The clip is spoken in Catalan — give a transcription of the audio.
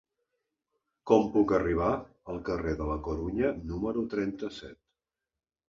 Com puc arribar al carrer de la Corunya número trenta-set?